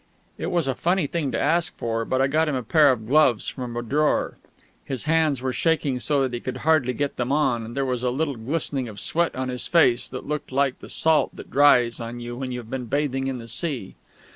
It was a funny thing to ask for; but I got him a pair of my gloves from a drawer. His hands were shaking so that he could hardly get them on, and there was a little glistening of sweat on his face, that looked like the salt that dries on you when you've been bathing in the sea.